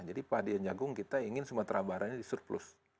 jadi padi dan jagung kita ingin sumatera barat ini disurplus